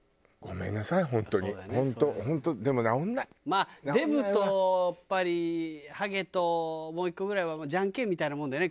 まあデブとやっぱりハゲともう１個ぐらいはジャンケンみたいなもんだよね